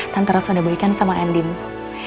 tante rasul udah berikan sama anna